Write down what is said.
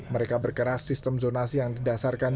mereka berkeras sistem zonasi yang didasarkan